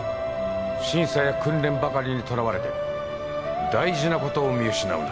審査や訓練ばかりにとらわれて大事なことを見失うな。